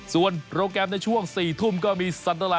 ส่วนโรงแรมในช่วง๔ทุ่มก็มี